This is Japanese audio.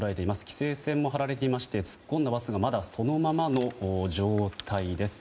規制線も張られていまして突っ込んだバスがまだ、そのままの状態です。